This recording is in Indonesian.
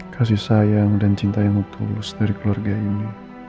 kasih sayang dan cinta yang tulus dari keluarga ini